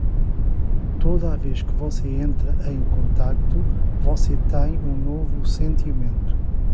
Toda vez que você entra em contato, você tem um novo sentimento.